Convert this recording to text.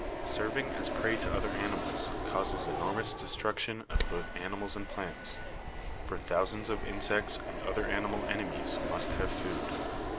Serving as prey to other animals causes enormous destruction of both animals and plants, for thou sands of insects and other animal enemies must have food.